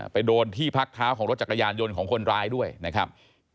ไปโดนที่พักเท้าของรถจักรยานยนต์ของคนร้ายด้วยนะครับ